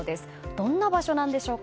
どんな場所なんでしょうか。